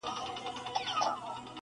ګران وطنه دا هم زور د میني ستا دی-